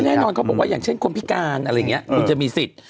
ก็แน่นอนเขาบอกว่าอย่างเช่นคนพิการคุณจะมีสิทธิ์